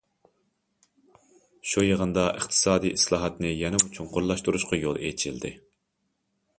شۇ يىغىندا ئىقتىسادىي ئىسلاھاتنى يەنىمۇ چوڭقۇرلاشتۇرۇشقا يول ئېچىلدى.